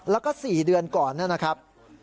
แล้วก็๔เดือนก่อนนะครับ